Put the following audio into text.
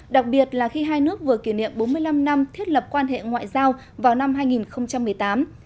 đặc biệt là khi hai nước vừa kỷ niệm bốn mươi năm năm thiết lập quan hệ ngoại giao vào năm hai nghìn một mươi tám